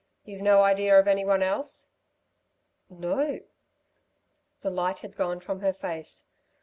You've no idea of any one else?" "No." The light had gone from her face.